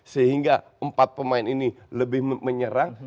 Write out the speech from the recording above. sehingga empat pemain ini lebih menyerang